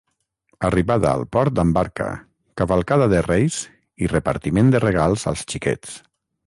Arribada al port amb barca, cavalcada de Reis i repartiment de regals als xiquets.